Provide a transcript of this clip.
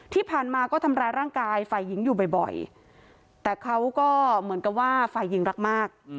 ที่ผ่านมาก็ทำร้ายร่างกายฝ่ายหญิงอยู่บ่อยแต่เขาก็เหมือนกับว่าฝ่ายหญิงรักมาก